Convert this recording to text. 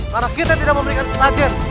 karena kita tidak memberikan sesajen